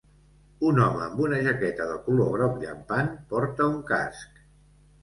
Un home amb una jaqueta de color groc llampant porta un casc.